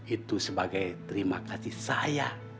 itu sebagai terima kasih saya